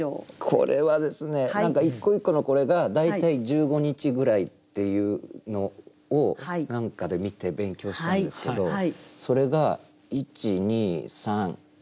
これはですね何か一個一個のこれが大体１５日ぐらいっていうのを何かで見て勉強したんですけどそれが１２３４５６個？